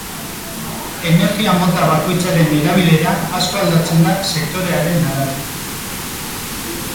Energia-mota bakoitzaren erabilera asko aldatzen da sektorearen arabera.